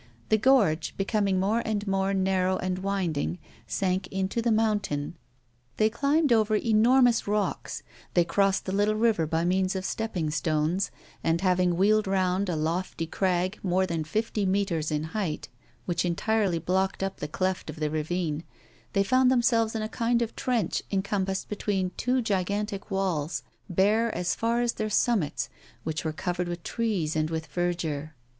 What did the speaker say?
The gorge, becoming more and more narrow and winding, sank into the mountain. They climbed over enormous rocks; they crossed the little river by means of stepping stones, and, having wheeled round a lofty crag more than fifty meters in height which entirely blocked up the cleft of the ravine, they found themselves in a kind of trench encompassed between two gigantic walls, bare as far as their summits, which were covered with trees and with verdure.